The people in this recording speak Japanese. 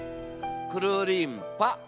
くるりんぱ。